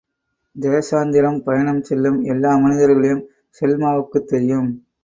தேசாந்திரம் பயணம் செல்லும் எல்லா மனிதர்களையும் செல்மாவுக்குத் தெரியும்.